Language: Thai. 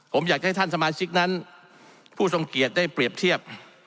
ผมอยากให้ท่านสมาชิกนั้นผู้ทรงเกียจได้เปรียบเทียบ